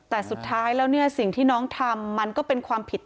แต่สุดท้ายแล้วเนี่ยสิ่งที่น้องทำมันก็เป็นความผิด